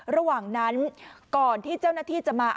ระหว่างนั้นก่อนที่เจ้าหน้าที่จะมา